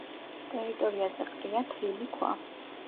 ტერიტორიაზე ყრია თლილი ქვა.